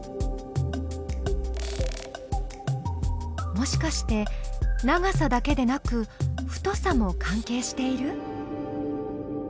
もしかして「長さ」だけでなく「太さ」も関係している？